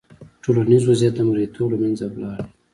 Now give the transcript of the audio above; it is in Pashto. ټولنیز وضعیت د مریتوب له منځه لاړ.